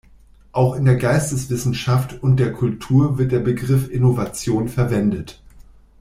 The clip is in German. Auch in der Geisteswissenschaft und der Kultur wird der Begriff Innovation verwendet.